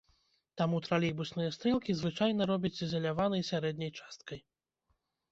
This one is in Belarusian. Таму тралейбусныя стрэлкі звычайна робяць з ізаляванай сярэдняй часткай.